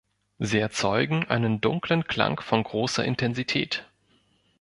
Sie erzeugen einen dunklen Klang von großer Intensität.